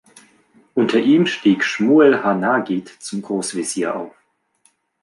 Unter ihm stieg Schmuel ha-Nagid zum Großwesir auf.